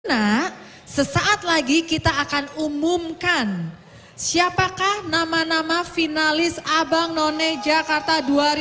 nah sesaat lagi kita akan umumkan siapakah nama nama finalis abang none jakarta dua ribu dua puluh